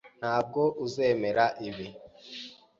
Ntabwo uzemera ibi.